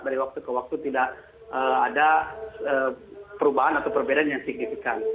dari waktu ke waktu tidak ada perubahan atau perbedaan yang signifikan